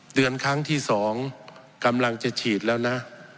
เดือนครั้งที่๒กำลังจะฉีดแล้วนะ